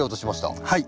はい。